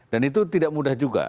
dan itu tidak mudah juga